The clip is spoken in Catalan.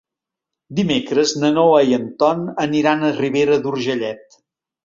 Dimecres na Noa i en Ton aniran a Ribera d'Urgellet.